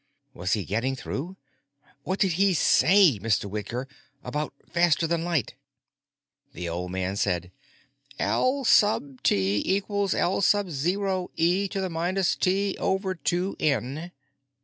Was he getting through? "What did he say, Mr. Whitker? About faster than light?" The old man said, "L sub T equals L sub zero e to the minus T over two N."